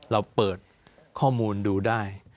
เราเปิดข้อมูลดูได้